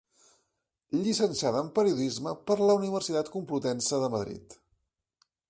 Llicenciada en periodisme per la Universitat Complutense de Madrid.